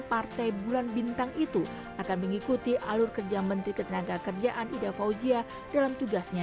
partai bulan bintang itu akan mengikuti alur kerja menteri ketenaga kerjaan ida fauzia dalam tugasnya